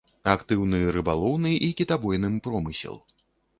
Актыўны рыбалоўны і кітабойным промысел.